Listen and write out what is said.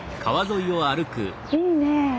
いいね。